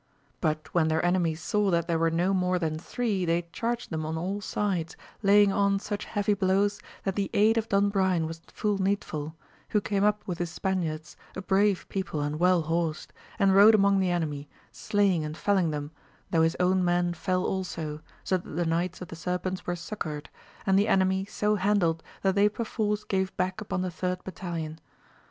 But when their enemies saw that there were no more than three they charged them on all sides, lapng on such heavy blows that the aid of Don Brian was full needful, who came up with his Spaniards, a brave people and well horsed, and rode among the enemy, slaying and felling them, though his own men fell also, so that the Knights of the Serpents were succoured, and the enemy so handled, that they perforce gave back upon the third battalion.